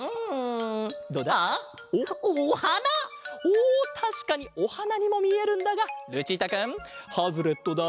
おおたしかにおはなにもみえるんだがルチータくんハズレットだ！